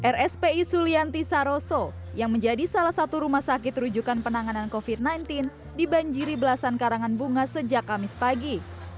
rspi sulianti saroso yang menjadi salah satu rumah sakit rujukan penanganan covid sembilan belas dibanjiri belasan karangan bunga sejak kamis pagi